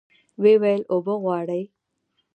ويې ويل اوبه غواړي.